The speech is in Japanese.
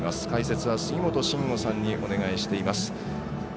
解説は杉本真吾さんにお願いしています。